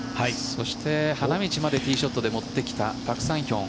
そして、花道までティーショットで持ってきたパク・サンヒョン。